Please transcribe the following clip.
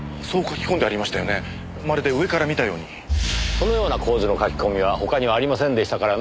このような構図の書き込みは他にはありませんでしたからねえ。